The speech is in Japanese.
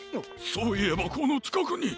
そういえばこのちかくに！